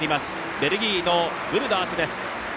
ベルギーのブルダースです。